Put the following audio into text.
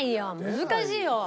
難しいよ。